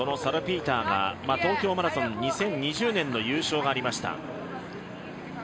そのサルピーターが東京マラソン２０２０年の優勝がありました。